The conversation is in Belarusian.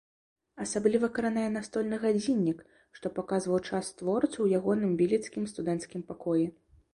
Асабліва кранае настольны гадзіннік, што паказваў час творцу ў ягоным віленскім студэнцкім пакоі.